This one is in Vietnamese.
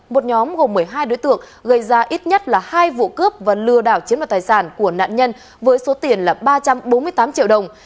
một nhóm gồm một mươi hai đối tượng gây ra ít nhất là hai vụ cướp và lừa đảo chiếm đoạt tài sản của nạn nhân với số tiền là ba trăm bốn mươi tám triệu đồng